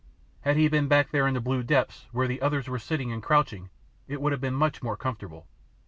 Had he been back there in the blue depths where others were sitting and crouching it would have been much more comfortable.